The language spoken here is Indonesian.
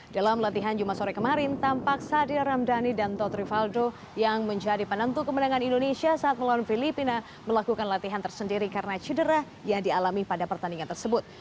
dalam latihan jumat sore kemarin tampak sadil ramdhani dan tod rivaldo yang menjadi penentu kemenangan indonesia saat melawan filipina melakukan latihan tersendiri karena cedera yang dialami pada pertandingan tersebut